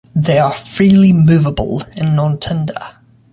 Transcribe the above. They are freely movable and nontender.